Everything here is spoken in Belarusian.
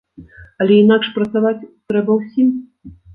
Але інакш працаваць трэба ўсім.